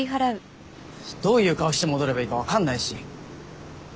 どういう顔して戻ればいいか分かんないし。